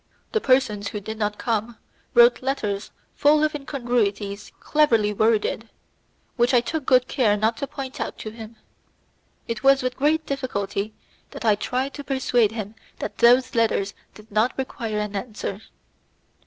The persons who did not come wrote letters full of incongruities cleverly worded, which I took good care not to point out to him. It was with great difficulty that I tried to persuade him that those letters did not require any answer.